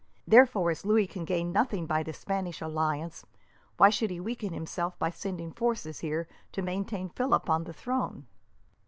Therefore, as Louis can gain nothing by the Spanish alliance, why should he weaken himself by sending forces here to maintain Philip on the throne?"